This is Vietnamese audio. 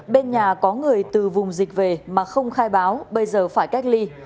bên nhà có người từ vùng dịch về mà không khai báo bây giờ phải cách ly